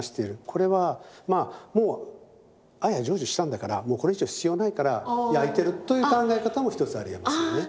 これはもう愛は成就したんだからもうこれ以上必要ないから焼いてるという考え方も一つありえますよね。